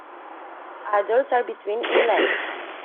Adults are between in length.